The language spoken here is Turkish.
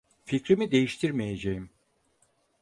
Fikrimi değiştirmeyeceğim.